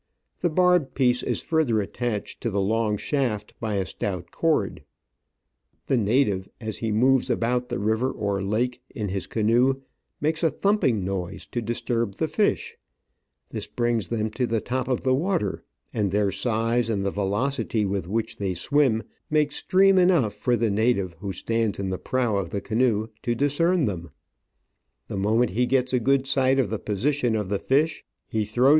The barbed piece is further attached to the long shaft by a stout cord. The native, as he moves about the lake or river in his canoe, makes a thumping noise to disturb the fish ; this brings them to the top of the water, and their size, and the velocity with which they swim, make stream enough for the native who stands in the prow of the canoe to discern them ; the moment he gets a good sight of the position of the fish he throws the Digitized by VjOOQIC 192 Travels and Adventures NATIVE MODE OF HARrOONING FISH.